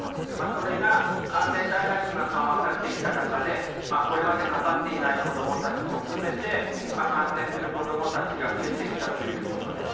それが、感染対策が緩和されてきた中でこれまでかかっていない子供たちも含めて感染する子供たちが増えてきたということです。